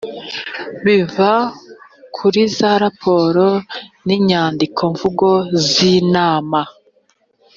biva kuri za raporo n’inyandikomvugo z’inama